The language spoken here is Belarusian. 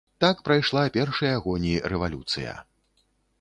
Так прайшла першыя гоні рэвалюцыя.